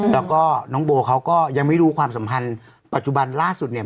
แล้วก็น้องโบเขาก็ยังไม่รู้ความสัมพันธ์ปัจจุบันล่าสุดเนี่ย